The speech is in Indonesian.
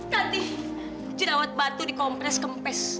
kasih jerawat batu di kompres kempes